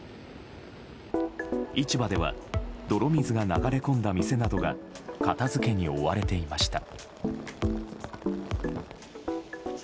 市場では泥水が流れ込んだ店などが片付けに追われていました。